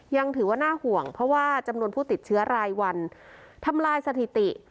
ยังถือว่าน่าห่วงเพราะว่าจำนวนผู้ติดเชื้อรายวันทำลายสถิติ